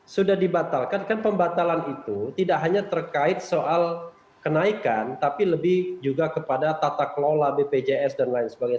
sudah dibatalkan kan pembatalan itu tidak hanya terkait soal kenaikan tapi lebih juga kepada tata kelola bpjs dan lain sebagainya